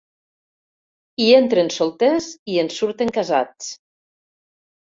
Hi entren solters i en surten casats.